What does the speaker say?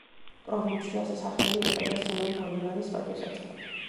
პროვინციას სახელი ეწოდა სიმონ ბოლივარის პატივსაცემად.